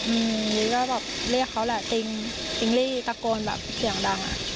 อืมก็แบบเรียกเขาแหละติ๊งติงลี่ตะโกนแบบเสียงดังอ่ะ